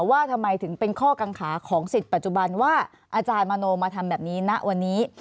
ว่าทำไมถึงเป็นข้อกังขาของสิทธิ์ปัจจุบันว่าอาจารย์มโนมาทำแบบนี้ณวันนี้